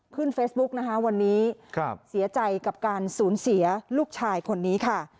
ขึ้นเฟซบุ๊กนะคะวันนี้เสียใจกับการสูญเสียลูกชายคนนี้ค่ะ